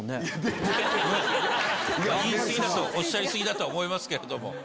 おっしゃり過ぎだとは思いますけれども。